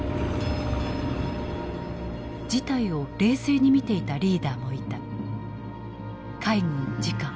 事態を冷静に見ていたリーダーもいた。